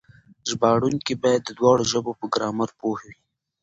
ژباړونکي بايد د دواړو ژبو په ګرامر پوه وي.